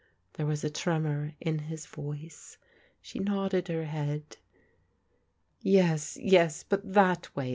^ There was a trenwr in his ^ oice* She nodded her head "" Yes, yes, but thot way!